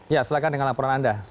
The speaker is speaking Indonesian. ya silahkan dengan laporan anda